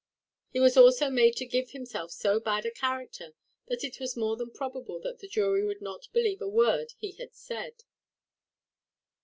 He was also made to give himself so bad a character that it was more than probable that the jury would not believe a word he had said.